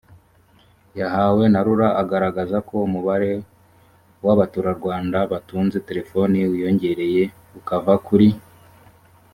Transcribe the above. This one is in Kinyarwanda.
yahawe na rura agaragaza ko umubare w abaturarwanda batunze telefoni wiyongereye ukava kuri